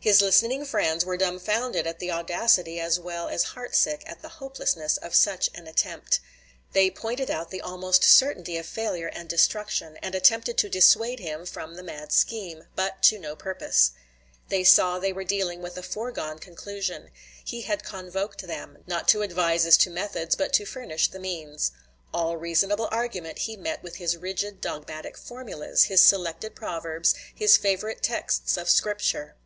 His listening friends were dumfounded at the audacity as well as heart sick at the hopelessness of such an attempt. They pointed out the almost certainty of failure and destruction, and attempted to dissuade him from the mad scheme; but to no purpose. They saw they were dealing with a foregone conclusion; he had convoked them, not to advise as to methods, but to furnish the means. All reasonable argument he met with his rigid dogmatic formulas, his selected proverbs, his favorite texts of Scripture.